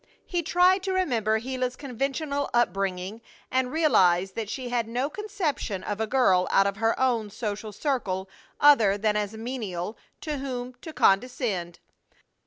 He tried to remember Gila's conventional upbringing, and realize that she had no conception of a girl out of her own social circle other than as a menial to whom to condescend.